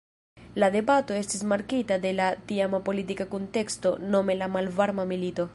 La debato estis markita de la tiama politika kunteksto, nome la Malvarma Milito.